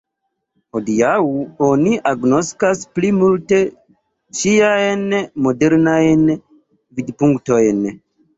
Hodiaŭ oni agnoskas pli multe ŝiajn modernajn vidpunktojn.